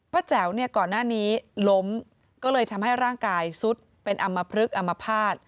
แจ๋วเนี่ยก่อนหน้านี้ล้มก็เลยทำให้ร่างกายซุดเป็นอำมพลึกอมภาษณ์